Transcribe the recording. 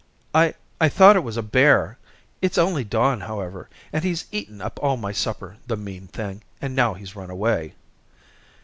"I, I thought it was a bear. It's only Don, however, and he's eaten up all my supper, the mean thing, and now he's run away."